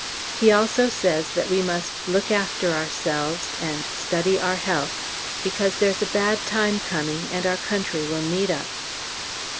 He also says we must "look after ourselves" and "study our health," because there's a bad time coming, and our Country will need us!